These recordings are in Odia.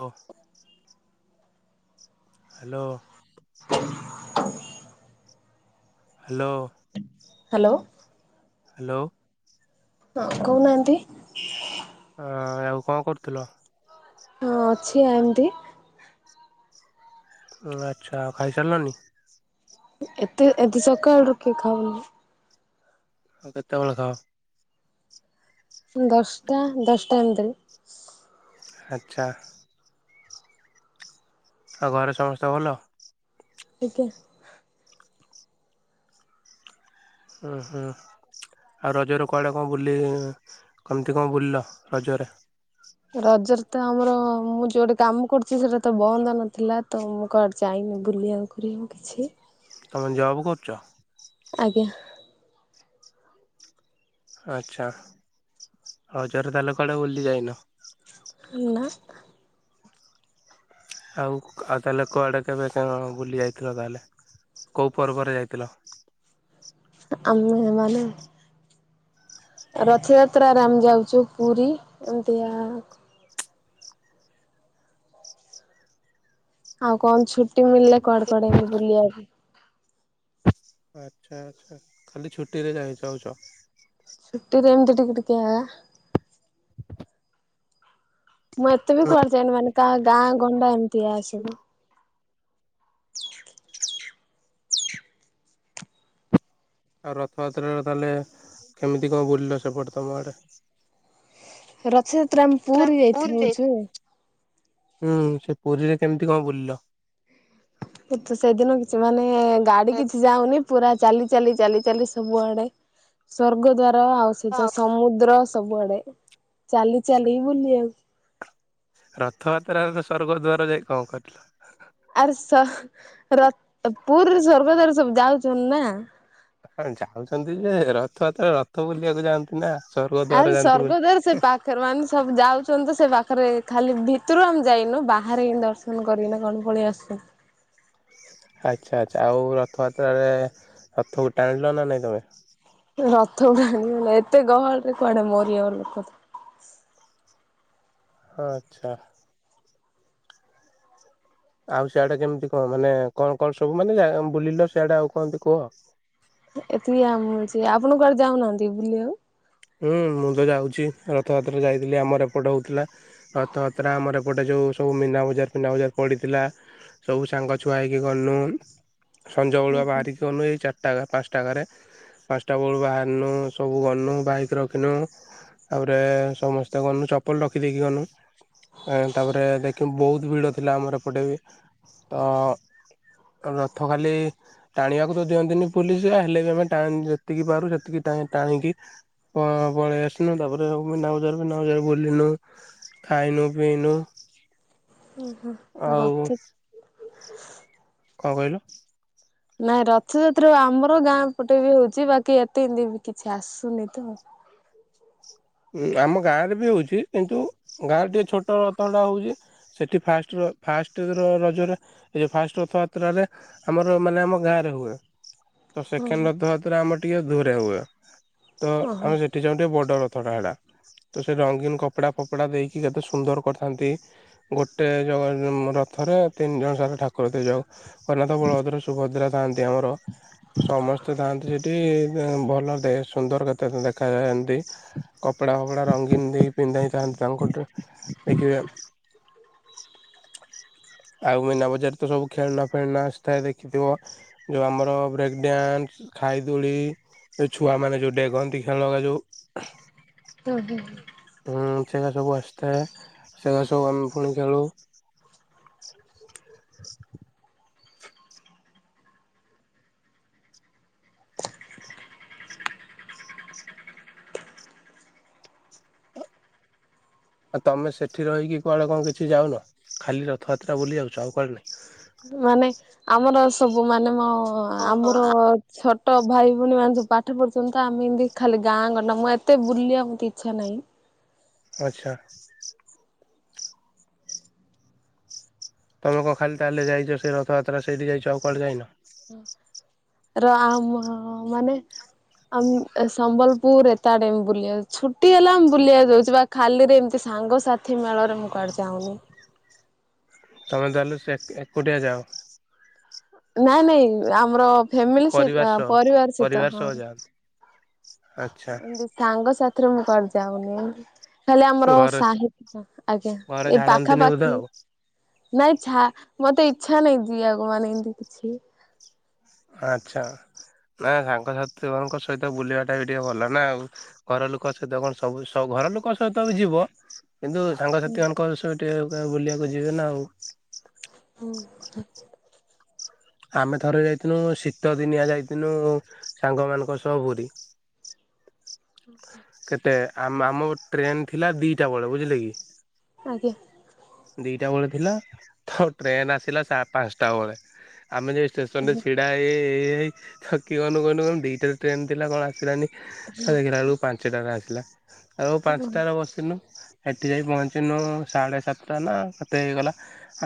ହଉ। ହାଲୋ। ହାଲୋ। ହାଲୋ। ହାଲୋ। ହଁ କହୁନାହାନ୍ତି। ଅଁ ଆଉ କଣ କରୁଥିଲ? ଅଁ ଅଛି ଏମତି। ଆଚ୍ଛା। ଆଉ ଖାଇସାରିଲନି? ଏତେ ଏତେ ସକାଳରୁ କିଏ ଖାଉନି। କେତେବେଳେ ଖାଅ? ଦଶଟା ଦଶଟା ଭିତରେ। ଆଚ୍ଛା। ଆଉ ଘରେ ସମସ୍ତେ ଭଲ? ଆଜ୍ଞା। ଉଁ ହୁଁ। ଆଉ ରଜର କୁଆଡ଼େ କଣ ବୁଲି କେମିତି କଣ ବୁଲିଲ ରଜରେ? ରଜରେ ତ ଆମର ମୁଁ ଯୋଉଠି କାମ କରୁଚି ସେଇଟା ତ ବନ୍ଦ ନଥିଲା ତ ମୁଁ କୁଆଡ଼େ ଯାଇନି ବୁଲିବାକୁ ବି ମୁଁ କିଛି। ତମେ ଜବ୍ କରୁଚ? ଆଜ୍ଞା। ଆଚ୍ଛା। ରଜ ରେ ତାହେଲେ କୁଆଡେ ବୁଲି ଯାଇନ? ନା। ଆଉ ଆଉ ତାହେଲେ କୁଆଡ଼େ କେବେ କଣ ବୁଲି ଯାଇଥିଲ ତାହେଲେ କୋଉ ପର୍ବରେ ଯାଇଥିଲ? ଆମେ ମାନେ ରଥଯାତ୍ରାରେ ଆମେ ଯାଉଚୁ ପୁରୀ। ଏମିତି ଆ ଆଉ କଣ ଛୁଟି ମିଳିଲେ କୁଆଡେ କୁଆଡେ ଏମତି ବୁଲିବାକୁ ଆଚ୍ଛା ଆଚ୍ଛା। ଖାଲି ଛୁଟି ରେ ଯାଇ ଯାଉଚ? ଛୁଟି ରେ ଏମତି ଟିକେ ଟିକେ ଆ ମୁଁ ଏତେ ବି କୁଆଡେ ଯାଏନି। ମାନେ ତା ଗାଁ ଗଣ୍ଡା ଏମିତି ଆ ଆସିବୁ। ଆଉ ରଥଯାତ୍ରାରେ ତାହେଲେ କେମିତି କଣ ବୁଲିଲ ସେପଟ ତମ ଆଡେ? ରଥଯାତ୍ରା ଆମେ ପୁରୀ ଯାଇ ଥାନିଚୁ। ହୁଁ। ସେ ପୁରୀରେ କେମିତି କଣ ବୁଲିଲ? ସେଦିନ କି ସେମାନେ ଗାଡି କିଛି ଯାଉନି, ପୁରା ଚାଲି ଚାଲି ଚାଲି ଚାଲି ସବୁଆଡେ ସ୍ଵର୍ଗ ଦ୍ବାର ଆଉ ସେ ଯୋଉ ସମୁଦ୍ର ସବୁଆଡେ। ଚାଲି ଚାଲି ବୁଲି ଆଉ ରଥଯାତ୍ରାରେ ତ ସ୍ୱର୍ଗଦ୍ୱାର ଯାଇ କଣ କ ଆରେ ସ ର ପୁରୀରେ ସ୍ବର୍ଗଦ୍ବାର ସବୁ ଯାଉଚନ୍ତି ନା। ହଁ ଯାଉଚନ୍ତି ଯେ ରଥଯାତ୍ରା ରେ ରଥ ବୁଲିବାକୁ ଯାଆନ୍ତି ନା। ସ୍ୱର୍ଗ ଦ୍ୱାର ଆରେ ଯାଆନ୍ତି ବୋଲି। ସ୍ଵର୍ଗଦ୍ଵାର ସେ ପା ଫେରୁ ଆମେ ସବୁ ଯାଉଚନ୍ତି ସେ ପାଖରେ ଖାଲି ଭିତରୁ ଆମେ ଯାଇନୁ ବାହାରେ ହିଁ ଦର୍ ଦର୍ଶନ କରିକିନା କଣ ପଳେଇ ଆସିଲୁ। ଆଚ୍ଛା ଆଚ୍ଛା। ଆଉ ରଥଯାତ୍ରାରେ ରଥକୁ ଟାଣିଲ ନା ନାଇଁ ତମେ? ରଥକୁ ଟାଣିହେଲା, ଏତେ ଗହଳି ରେ କୁଆଡେ ମରିିବାକୁ ଲୋକ ତ ହଁ ଆଚ୍ଛା। ଆଉ ସିଆଡେ କେମିତି କଣ? ମାନେ କଣ କଣ ସବୁ ମାନେ ବୁଲିଲ ସିଆଡେ ଆଉ କହନ୍ତି କୁହ? ଏତିକି [unintelligible] ଆପଣ କୁଆଡେ ଯାଉନାହାନ୍ତି ବୁଲିବାକୁ? ହୁଁ, ମୁଁ ତ ଯାଉଛି। ରଥଯାତ୍ରା ଯାଇଥିଲି, ଆମର ଏପଟ ହଉଥିଲା। ରଥଯାତ୍ରା ଆମର ଏପଟେ ଯୋଉ ସବୁ ମିନାବଜାର ଫିନାବଜାର ପଡ଼ିଥିଲା। ସବୁ ସାଙ୍ଗ ଛୁଆ ହେଇକି ଗଲୁ, ସଞ୍ଜ ବେଳୁଆ ବାହାରିକି ଗଲୁ, ଏଇ ଚା ପାଞ୍ଚ ଟାକାରେ ପାଞ୍ଚଟା ବେଳୁ ବାହାରିଲୁ, ସବୁ ଗଲୁ ବାଇକ୍ ରଖିଲୁ, ତାପରେ ସମସ୍ତେ ଗଲୁ। ଚପଲ ରଖିଦେଇକି ଗଲୁ। ତାପରେ ଦେଖିବୁ, ବହୁତ ଭିଡ ଥିଲା ଆମର ଏପଟେ ତ ରଥକାଲି ଟାଣିବାକୁ ତ ଦିଅନ୍ତିନି ପୋଲିସ, ହେଲେ ବି ଆମେ ଯେତିକି ପାରୁ, ସେତିକି ଟାଣିକି ପ ପଳେଇ ଆସିଲୁ, ତାପରେ ମୀନାବଜାର ଫିନାବଜାର ବୁଲିଲୁ। ଖାଇନୁ ପିଇଲୁ। [inaudible] ରଥକୁ। କଣ କହିଲ? ନା, ରଥଯାତ୍ରା ଆମର ଗାଁ ପଟେ ବି ହଉଛି, ବାକି ଏତେ ଏମିତି ବି କିଛି ଆସିନି ତ? ଉଁ, ଆମ ଗାଁ ରେ ବି ହଉଛି, କିନ୍ତୁ ଗାଁରେ ଟିକେ ଛୋଟ ରଥ ଟା ହଉଛି। ସେଠି ଫାଷ୍ଟର ଫାଷ୍ଟର ରଜରେ, ଏ ଯୋଉ ଫାଷ୍ଟ ରଥଯାତ୍ରାରେ ଆମର, ମାନେ ଆମ ଗାଁ ରେ ହୁଏ। ତ ହୁଁ ହୁଁ ସେକେଣ୍ଡ ରଥ ଯାତ୍ରା ଆମର ଟିକେ ଦୂରେ ହୁଏ, ତ ହୁଁ ଆମେ ସେଠି ଯାଉଁ, ଟିକେ ବଡ ର ଥଟାଡା। ତ ସେ ରଙ୍ଗୀନ କପଡା ଫପଡା ଦେଇକି କେତେ ସୁନ୍ଦର କରିଥାନ୍ତି। ଗୋଟେ ଜ ରଥରେ ତିନି ଜଣ ସାର ଠାକୁର ଦେଇଯାଉ ଜଗନ୍ନାଥ, ବଳଭଦ୍ର, ସୁଭଦ୍ରା। ଥାନ୍ତି, ଆମର ସମସ୍ତେ ଥାଆନ୍ତି, ସେଠି ଭଲ ଦେ ସୁନ୍ଦର କେତେ ଦେଖାଯାଆନ୍ତି। କପଡା ଫପଡା ରଙ୍ଗୀନ ଦେଇକି ପିନ୍ଧା ହେଇଥାନ୍ତି, ତାଙ୍କୁ ଦେଖିବେ। ଆଉ ମୀନାବଜାର ତ ସବୁ ଖେଳନା ଫେଳନା ଆସିଥାଏ, ଦେଖିଥିବ। ଯେଉଁ ଆମର ବ୍ରେକ୍ ଡ୍ୟାନ୍ସ, ଖାଇ ଦୋଳି ଯୋଉଛୁଆମାନେ ଯଉ ଡେଗନ୍ତି, ଖେଳନା ଯୋଉ। [unintelligible] ହଁ ସେଗୁରା ସବୁ ଆସିଥାଏ, ସେଗୁରା ସବୁ ଆମେ ପୁଣି ଖେଳୁ। ଆଉ ତମେ ସେଠି ରହିକି କୁଆଡେ କଣ କିଛି ଯାଉନ? ଖାଲି ରଥଯାତ୍ରା ବୁଲି ଯାଉଛ, ଆଉ କୁଆଡେ ନାହିଁ? ମାନେ ଆମର ସବୁ, ମାନେ ମ ଆମର ଛୋଟ ଭାଇ ଭଉଣୀ ମାନେ ସବୁ ପାଠ ପଢୁଛନ୍ତି ତ, ଆମେ ଏମିତି ଖାଲି ଗାଁ ଗଣ୍ଡା ମୁଁ ଏତେ ବୁଲିବା? ମୋତେ ଇଚ୍ଛା ନାହିଁ। ଆଚ୍ଛା। ତମେ କ ଖାଲି ତାହେଲେ ଯାଇଛ ସେ ରଥଯାତ୍ରା? ସେଇଠି ଯାଇଛ, ଆଉ କୁଆଡ଼େ ଯାଇନା? [inaudible] ର ଆମ ମାନେ ଆମ ସମ୍ବଲପୁର ଏତେ ଆଡେ, ଆମେ ବୁଲିଯାଉଛୁ। ଛୁଟି ହେଲା, ବୁଲିବାକୁ ଯାଉଛୁ ବାକ୍ ଖାଲିରେ ଏମିତି ସାଙ୍ଗସାଥି ମେଳରେ ମୁଁ କୁଆଡେ ଯାଉନି। ତମେ ତାହାଲେ ସେ ଏକୁଟିଆ ଯାଅ। ନାହିଁ, ନାହିଁ, ଆମର ଫ୍ୟାମିଲି ପରିବାର ସହିତ, ସହ ପରିବାର ସହିତ ହଁ। ସହ ଯାଆନ୍ତି ଆଚ୍ଛା। ଏମିତି ସାଙ୍ଗ ସାଥିରେ ମୁଁ କୁଆଡ଼େ ଯାଉନି। ହେଲେ ଆମର ଘରେ ସାହି ତ ଆଜ୍ଞା, ଘରେ ଏ ଛାଡନ୍ତିନି ବୋଧେ ପାଖାପାଖି ଆଉ। ନାହିଁ, ଛା ମତେ ଇଚ୍ଛା ନାହିଁ ଯିବାକୁ, ମାନେ ଏମିତି କିଛି। ଆଚ୍ଛା, ନା ସାଙ୍ଗସାଥି ମାନଙ୍କ ସହିତ ବୁଲିବାଟା ବି ଟିକେ ଭଲ ନା, ଆଉ। ଘର ଲୋକ ଅଛି ତ, ସବୁ ଘର ଲୋକ ସହିତ ବି ଯିବ। କିନ୍ତୁ ସାଙ୍ଗସାଥି ମାନଙ୍କ ସହ ଟିକେ ବୁଲିଆକୁ ଯିବେ ନା, ଆଉ। ହୁଁ। ଆମେ ଥରେ ଯାଇଥିଲୁ ଶୀତ ଦିନିଆ ଯାଇଥିନୁ ସାଙ୍ଗମାନଙ୍କ ସହ ପୁରୀ। ହୁଁ। କେତେ ଆମ ଆମ ଟ୍ରେନ ଥିଲା ଦିଟା ବେଳେ ବୁଝିଲେ କି। ଆଜ୍ଞା। ଦିଟା ବେଳେ ଥିଲା ତ ଟ୍ରେନ ଆସିଲା ସା ପାଞ୍ଚଟା ବେଳେ। ଆମେ ଯାଇ ଷ୍ଟେସନ ରେ ଛିଡ଼ା ହେଇ ହେଇ ହେଇ ହେଇ ହେଇ ଥକି ଗଲୁ କନୁ କହୁନୁ କ ଦୁଇଟାରେ ଟ୍ରେନ୍ ଥିଲା କଣ ଆସିଲାନି। ଆଉ ଦେଖିଲା ବେଳୁ ପାଞ୍ଚଟାରେ ଆସିଲା ଆଉ ପାଞ୍ଚଟାରେ ବସିନୁ। ହେଠି ଯାଇ ପହଞ୍ଚିନୁ ସାଢ଼େ ସାତଟା ନା କେତେ ହେଇଗଲା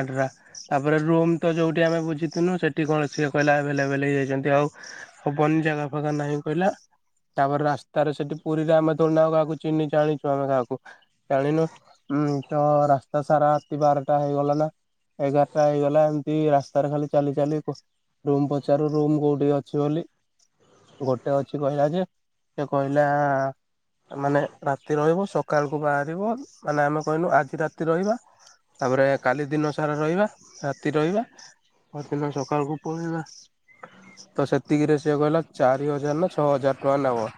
ଆଠଟା। ତାପରେ ରୁମ୍ ତ ଯୋଉଠି ଆମେ ବୁଝିଥିନୁ ସେଠି କଣ ସିଏ କହିଲା ଆଭେଲେଭେଲ ହେଇଯାଇଛନ୍ତି ଆଉ ହବନି ଜାଗା ଫାଗା ନାହିଁ କହିଲା ତାପରେ ରାସ୍ତାରେ ସେଠି ପୁରୀରେ ଆମେ ଧୁ କାହାକୁ ଚିନି ଜ ଆଣିଛୁମେ କାହାକୁ। ଜାଣିନୁ ଉଁ ତ ରାସ୍ତା ସାରା ରାତି ବାରଟା ହେଇଗଲା ନା। ଏଗାରଟା ହେଇଗଲା ଏମିତି ରାସ୍ତାରେ ଖାଲି ଚାଲି ଚାଲି। ରୁମ୍ ପଚାରୁ ରୁମ୍ କୋଉଠି ଅଛି ବୋଲି। ଗୋଟେ ଅଛି କହିଲା ଯେ ସେ କହିଲା ମାନେ ରାତି ରହିବ ସକାଳକୁୁ ବାହାରିବ। ମାନେ ଆମେ କହିଲୁ ଆଜି ରାତି ରହିବା। ତାପରେ କାଲି ଦିନ ସାରା ରହିବା ରାତି ରହିବା। ପହରଦିନ ସକାଳକୁ ପଳେଇବା। ତ ସେତିକିରେ ସିଏ କହିଲା ଚାରି ହଜାର ନା ଛଅ ହଜାର ଟଙ୍କା ନବ।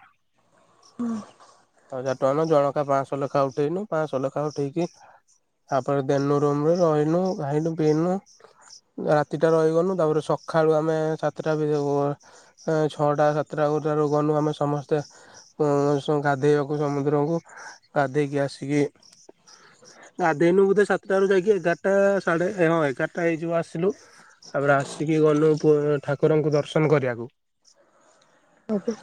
ହଜାର ଟଙ୍କା ନ ଜଣକା ପାଞ୍ଚଶହ ଲେଖାଏ ଉଠେଇନୁ ପାଞ୍ଚଶହ ଲେଖା ଉଠେଇକି ତାପରେ ଦେନୁ ରୁମରୁ ରହିନୁ ଖାଇନୁ ପିଇନୁ ରାତିଟା ରହିଗଲୁ ତାପରେ ସକାଳୁ ଆମେ ସାତଟା ବି ଛଅଟା ସାତଟା ଠାରୁ ଗନୁ ଆମେ ସମସ୍ତେ ଉଁ ଗାଧେଇଆକୁ ସମୁଦ୍ରକୁ ଗାଧେଇକି ଆସିକି ଗଧେଇନୁ ବୋଧେ ସାତଟା ରୁ ଯାଇକି ଏଗାରଟା ସାଢେ ହଁ ଏଗାରଟା ହେଇଯିବ ଆସିଲୁ। ତାପରେ ଆସିକି ଗନୁ ଠାକୁରଙ୍କୁ ଦର୍ଶନ କରିବାକୁ। ଆଜ୍ଞା।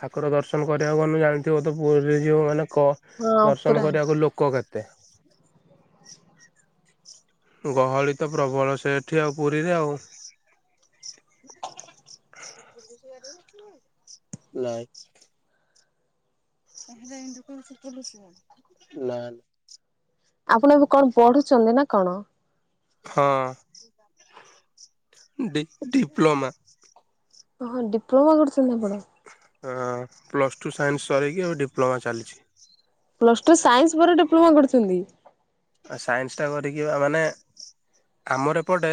ଠାକୁର ଦର୍ଶନ କରିଆକୁ ଗନୁ ଜାଣିଥିବ ତ ପୁରୀ ଝିଅ ମାନେ କ ହଁ ଦର୍ଶନ ପୁରା କରିଆକୁ ଲୋକ କେତେ? ହ ଗହଳି ତ ପ୍ରବଳ ସେଠି ଆଉ ପୁରୀରେ ଆଉ ନାଇ। ନା। ଆପଣ ଏବେ କଣ ପଢୁଛନ୍ତି ନା କଣ। ହଁ ଡି ଡିପ୍ଲୋମା। ହଁ ଡିପ୍ଲୋମା କରୁଛ। ସୁ ନ ପଣ [inaudible] ପ୍ଲସ୍ ଟୁ ସାଇନ୍ସ ସରକି ଡିପ୍ଲୋମା ଚାଲିଛି। ପ୍ଲସ ଟୁ ସାଇନ୍ସ ପରେ ଡିପ୍ଲୋମା କରୁଛନ୍ତି। ସାଇନ୍ସ ଟା କରିକି ମାନେ ଆମର ଏପଟେ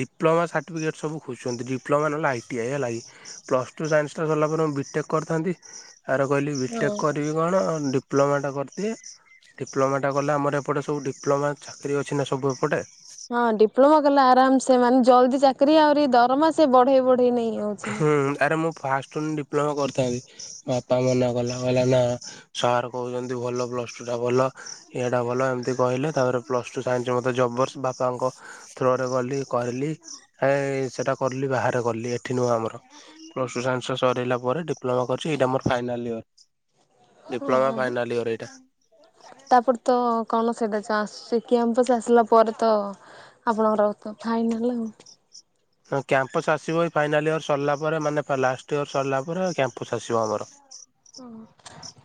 ଡିପ୍ଲୋମା ସାର୍ଟିଫିକେଟ ସବୁ ଖୋଜଛନ୍ତି ଡିପ୍ଲୋମା ନହେଲେ ଆଇଟି ଆଇ ହେଲା କି। ପ୍ଲସ ଟୁ ସାଇନ୍ସଟା ସରିଲା ପରେ ମୁଁ ବିଟେକ୍ କରିଥାନ୍ତି। ତାପରେ କହିଲି ହଁ ବିଟେକ୍ କରିବି କଣ ଡିପ୍ଲୋମାଟା କରିଦିଏ ଡିପ୍ଲୋମାଟା କଲେ ଆମର ଏପଟେ ସବୁ ଡିପ୍ଲୋମା ଚାକିରି ଅଛି ନା ସବୁ ଏପଟେ। ହଁ ଡିପ୍ଲୋମା କଲେ ଆରାମ ସେ ମାନେ ଜଲ୍ଦି ଚାକିରି ଆହୁରି ଦରମା ସେ ବଢେଇ ବଢେଇ ନେଇ ଯାଉଛି ନା। ହୁଁ ଆରେ ମୁଁ ଫାଷ୍ଟ ଡିପ୍ଲୋମା କରିଥାନ୍ତି ବାପା ମନା କଲା କହିଲା ନା। ସାର୍ କହୁଛନ୍ତି ଭଲ ପ୍ଲସ ଟୁ ଟା ଭଲ ଇଏଟା ଭଲ ଏମିତି କହିଲେ ତାପରେ ପ୍ଲସ୍ ଟୁ ସାଇନ୍ସରେ ମୋ ଜବର୍ସ ବାପାଙ୍କ ଥ୍ରୋରେ ଗଲି କହିଲି ଏ ସେଟା କରଲି ବାହାରେ କଲି ଏ ଏଠି ନୁହଁ ଆମର ପ୍ଲ ଟୁ ସାଇନ୍ସ ସରିଲା ପରେ ଡିପ୍ମାମା କରିଛି ଏଇଟା ଆମର ଫାଇନାଲ୍ ଇୟର। ହଁ ଡିପ୍ଲମା ହଁ ଫାଇନାଲ ଇଅର ଏଇଟା। ତାପରେ ତ କଣ ସେଇଟା ଚାନ୍ସ ସେ କ୍ୟାମ୍ପସ ଆସିଲା ପରେ ତ ଆପଣଙ୍କର ତ ଫାଇନାଲ ଆଉ। କ୍ୟାମ୍ପସ ଆସିବ ଏଇ ଫାଇନାଲ୍ ଇୟର ସରିଲା ପରେ ମାନେ ଲାଷ୍ଟ ଇୟର ସରିଲା ପରେ କ୍ୟାମ୍ପସ ଆସିବ ଆମର।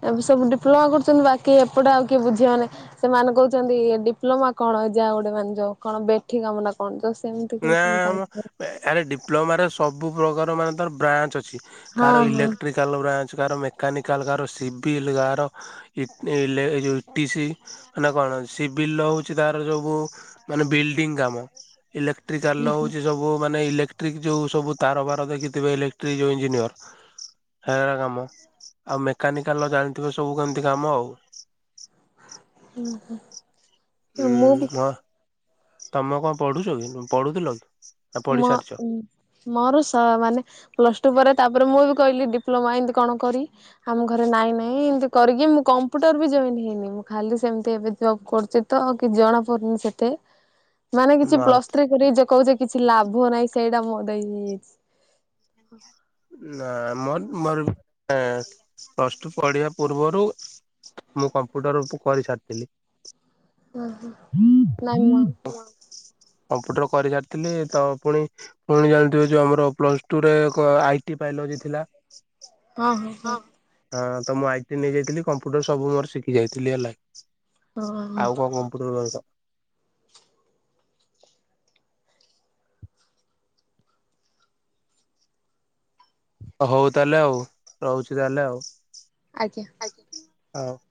ଏବେ ସବୁ ଡିପ୍ଲୋମା କରୁଛନ୍ତି ବାକି ଏପଟେ ଆଉ କିଏ ବୁଝି ମାନେ ସେମାନେ କହୁଛନ୍ତି ଏ ଡିପ୍ଲୋମା କଣ ଯାହା ଗୋଟେ ମାନେ ଯଉ କଣ ବେ ଏଠି କାମ ନା କଣ ଯ ସେମିତି ନା କହୁଛନ୍ତି ମ ତାଙ୍କ ଆରେ ଡିପ୍ଲୋମାରେ ସବୁ ପ୍ର୍ରକାର ମାନେ ତାର ବ୍ରାଞ୍ଚ ଅଛି ହଁ କାହାର ହଁ ଇଲେକ୍ଟ୍ରିକ ଟାଲ ବ୍ରାଞ୍ଚ କାର ମେକାନିକାଲ କାର ସିିବିଲ୍ କାର ଇଟେ ଇଲେ ଏ ଯୋଉ ଇଟିସିି ମାନେ କଣ ସିବିଲ ହଉଛି ତାର ଯୋଗୁ ମାନେ ବିଲଡିଙ୍ଗ କାମ। ଇଲେକ୍ଟ୍ରିକାଲ ହଉଛି ସବୁ ମାନେ ଇଲେକ୍ଟ୍ରିକ ଯୋଉ ସବୁ ତାରବାଡ ଦେଖିଥିବେ ଇଲେଟ୍ରି ଯଉ ଇ୍ଜିନିୟର। ସେଗରା କାମ ଆଉ ମେକାନିକାଲ ଜାଣିଥିବେ ସବୁ କେମିତି କାମ ଆଉ। ହୁଁ ହୁଁ। ଉୁଁ ହଁ ତମେ କଣ ପଢୁଛ କି ପଢୁଥିଲ କି? ନା ମ। ପଢି ସାରିଛ? ମୋର ସ ମାନେ ପ୍ଲସ ଟୁ ପରେ ତାପରେ ମୁଁ ବି କହିଲି ଡିପ୍ଲୋମା ଏମତି କଣ କରି ଆମ ଘରେ ନାଇଁ ନାଇଁ ଏମତି କରିକି ମୁଁ କମ୍ପୁଟର ବି ଜଏନ ହେଇନି ମୁଁ ଖାଲି ସେମିତି ଏବେ ଜବ କରୁଛି। ତ ଆଉ କିଛି ଜଣାପଡ଼ୁନି ସେତେ। [inaudible] ମାନେ କିଛି ନା ପ୍ଲସ୍ ଥ୍ରୀ କରି ଯେ କହୁଚି କିଛି ଲାଭ ନାହିଁ ସେଇଟା ମୋ ଦେଇ ହେଇଛି। ନା ମ ମୋର ପ୍ଲସ୍ ଟୁ ପଢିବା ପୂର୍ବରୁ ମୁଁ କମ୍ପ୍ୟୁଟର କରିସାରିଥିଲି। ଓ ହ ନାଇମ। ହଁ କମ୍ପୁଟର କରିସାରିଥିଲି ତ ପୁଣି ପୁଣି ଜାଣିଥିବେ ଯୋଉ ଆମର ପ୍ଲସ ଟୁରେ କ ଆଇ ଟି ବାଇଲୋଜି ଥିଲା। ହଁ ହଁ ହଁ ହଁ ତ ମୁଁ ଆଇ ଟି ନେଇଯାଇଥିଲି କମ୍ପ୍ୟୁଟର ସବୁ ମୋର ଶିଖି ଯାଇଥିଲି ହେଲା। ହଁ ହଁ ଆଉ କଣ କମ୍ପୁଟର ରଛ। ହଉ ତାହେଲେ ଆଉ ରହୁଛି ତାହେଲେ ଆଉ। ଆଜ୍ଞା। ଆଜ୍ଞା ହଉ।